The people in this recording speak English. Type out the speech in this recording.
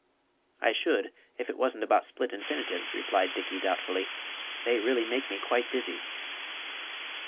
"I should, if it wasn't about split infinitives," replied Dickey, doubtfully. "They really make me quite dizzy."